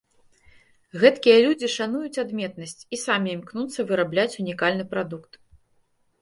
Гэткія людзі шануюць адметнасць, і самі імкнуцца вырабляць унікальны прадукт.